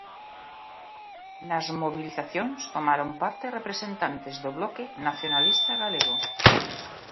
Nas mobilizacións tomaron parte representantes do Bloque Nacionalista Galego.